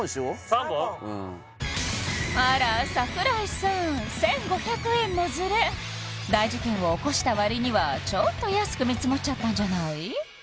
３本うんあら櫻井さん１５００円のズレ大事件を起こした割にはちょっと安く見積もっちゃったんじゃない？